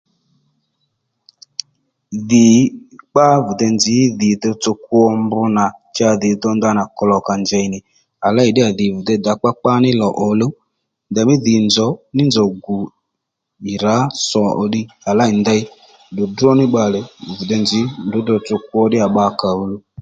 Dhì kpá bìy dey nzǐ dhì dhotsò kwo mb nà cha dhì dho ndanà kulòkà njèy nì à lêy ddíyà dhì bì dey dà kpákpá ní lò òluw ndèymí dhì nzòw ní nzòw gù ì rǎ sò ò ddiy à lêy ndey dròdró ní bbalè vì dey nzǐ ndrǔ tsotso kwo bbakǎ luw